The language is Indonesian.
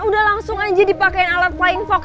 udah langsung aja dipakai alat flying fox